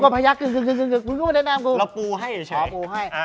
อ๋อปูให้